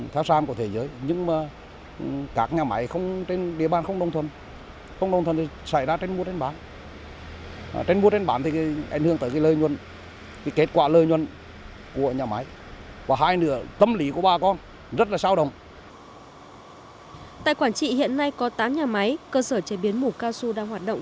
tại quảng trị hiện nay có tám nhà máy cơ sở chế biến mủ cao su đang hoạt động